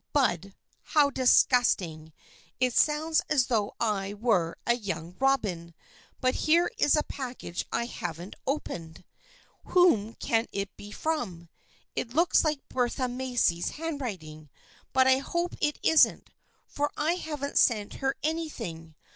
" Bud ! How disgusting. It sounds as though I were a young robin. But here is a package I haven't opened. Whom can it be from ? It looks like Bertha Macy's handwriting, but I hope it isn't, for I haven't sent her anything.